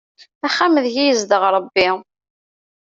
Axxam deg i yezdeɣ Ṛebbi.